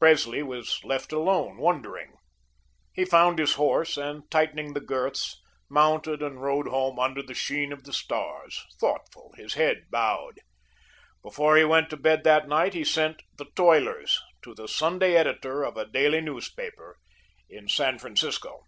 Presley was left alone wondering. He found his horse, and, tightening the girths, mounted and rode home under the sheen of the stars, thoughtful, his head bowed. Before he went to bed that night he sent "The Toilers" to the Sunday Editor of a daily newspaper in San Francisco.